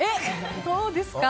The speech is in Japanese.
そうですか？